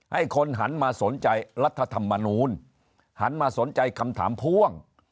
ให้คนหันมาสนใจรัฐธรรมนูลหันมาสนใจคำถามพ่วง